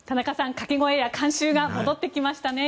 掛け声や観衆が戻ってきましたね。